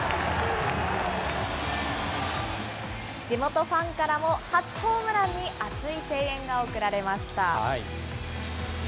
地元ファンからも初ホームランに熱い声援が送られました。